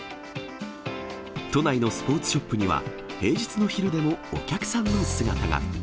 都内のスポーツショップには平日の昼でも、お客さんの姿が。